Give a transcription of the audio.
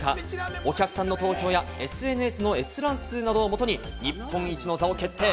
お客さんの投票やＳＮＳの閲覧数などをもとに日本一の座を決定。